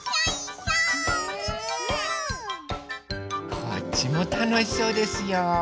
こっちもたのしそうですよ。